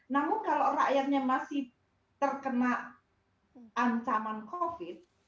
namun kalau rakyatnya masih terkena ancaman covid